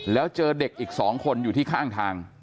แล้วเจอเด็กอีก๒คนอยู่ที่ข้างทาง